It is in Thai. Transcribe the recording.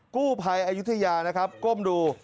กู้ภัยอายุทยานะครับก้มดู